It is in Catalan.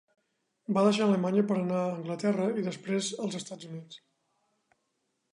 Va deixar Alemanya per anar a Anglaterra i després als Estats Units.